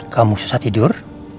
kamu susah tidur